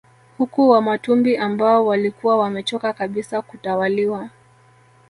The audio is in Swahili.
Huku Wamatumbi ambao walikuwa wamechoka kabisa kutawaliwa